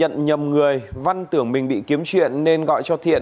do bị nhận nhầm người văn tưởng mình bị kiếm chuyện nên gọi cho thiện